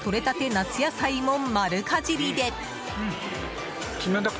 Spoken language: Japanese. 夏野菜も丸かじりで！